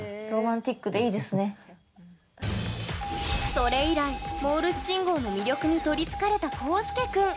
それ以来モールス信号の魅力に取りつかれたコウスケ君。